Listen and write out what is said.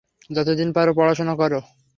যতদিন পারো পড়াশোনা করো।